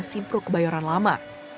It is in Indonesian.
simpuruk bayoran lama